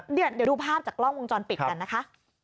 เดี๋ยวดูภาพจากกล้องวงจรปิดกันนะคะ